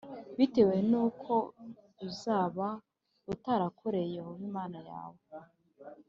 bitewe n’uko uzaba utarakoreye yehova imana yawe